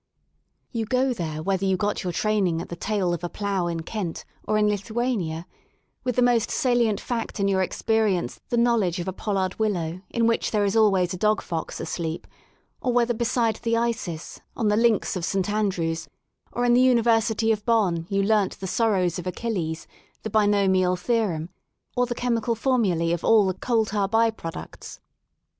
You go there whether you got your training at the tail of a plough in Kent or in Lithuania, with the most salient fact in your ex perience the knowledge of a pollard willow in which there is always a dog fox asleep; or whether beside the Isis, on the links of St. Andrews, or in the Uni versity of Bonn you learnt the sorrows of Achilles, the binomial theorem, or the chemical formulae of alfthc coal tar by products.